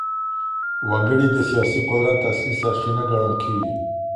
وګړي د سياسي قدرت اصلي سرچينه ګڼل کېږي.